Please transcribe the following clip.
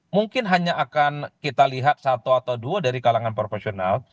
mungkin hanya akan kita lihat satu atau dua dari kalangan profesional